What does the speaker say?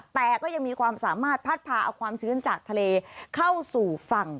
แต่ก็ยังมีความสามารถพัดพาเอาความชื้นจากทะเลเข้าสู่ฝั่ง